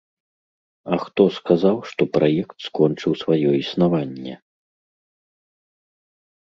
А хто сказаў, што праект скончыў сваё існаванне?